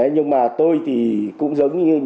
nhưng mà tôi cũng giống như